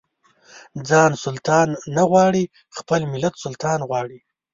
ځان سلطان نه غواړي خپل ملت سلطان غواړي.